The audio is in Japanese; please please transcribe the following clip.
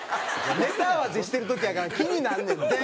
ネタ合わせしてる時やから気になんねんて。